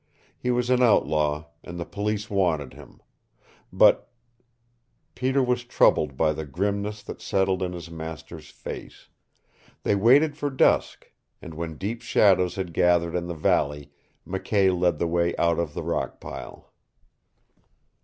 He was an outlaw, and the police wanted him, but Peter was troubled by the grimness that settled in his master's face. They waited for dusk, and when deep shadows had gathered in the valley McKay led the way out of the rock pile.